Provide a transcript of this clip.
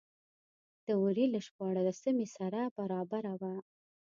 د وري له شپاړلسمې سره برابره وه.